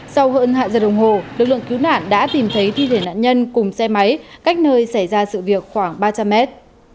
sau hơn hai giờ đồng hồ lực lượng cứu nạn đã tìm thấy thi thể nạn nhân cùng xe máy cách nơi xảy ra sự việc khoảng ba trăm linh mét